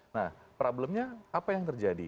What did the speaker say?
nah problemnya apa yang terjadi